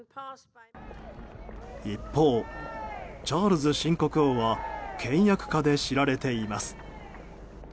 一方、チャールズ新国王は倹約家で知られています。